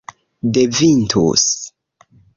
devintus